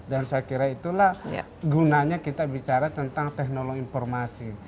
dan saya kira itulah gunanya kita bicara tentang teknologi informasi